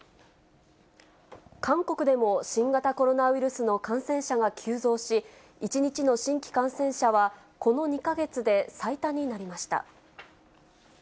韓国でも新型コロナウイルスの感染者が急増し、１日の新規感染者はこの２か月で最多になりました。